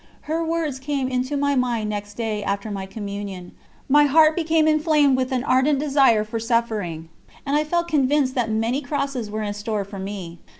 Her words came into my mind next day after my Communion; my heart became inflamed with an ardent desire for suffering, and I felt convinced that many crosses were in store for me.